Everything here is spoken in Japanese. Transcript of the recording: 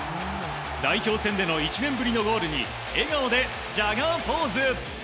代表選での１年ぶりのゴールに笑顔でジャガーポーズ。